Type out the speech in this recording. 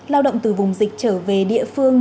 lao động từ vùng dịch trở về địa phương